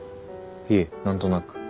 いえ何となく。